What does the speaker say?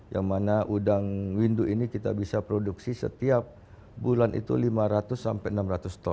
yang mana udang windu ini kita bisa produksi setiap bulan itu lima ratus sampai enam ratus ton